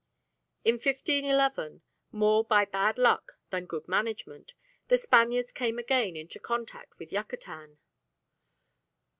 In 1511, more by bad luck than good management, the Spaniards came again into contact with Yucatan.